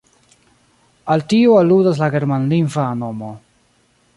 Al tio aludas la germanlingva nomo.